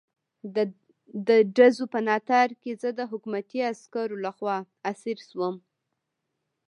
د ډزو په ناتار کې زه د حکومتي عسکرو لخوا اسیر شوم.